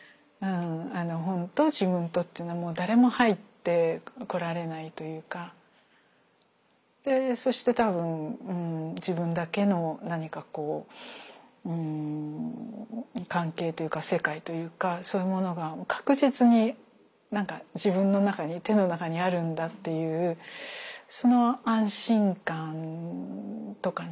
「本と自分と」っていうのはもう誰も入ってこられないというかそして多分自分だけの何かこううん関係というか世界というかそういうものが確実に自分の中に手の中にあるんだっていうその安心感とかね